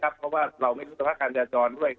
เพราะว่าเราไม่รู้สภาพการจราจรด้วย